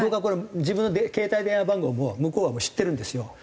僕は自分の携帯電話番号も向こうはもう知ってるんですよ。